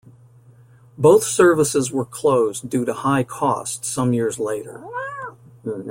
Both services were closed due to high cost some years later.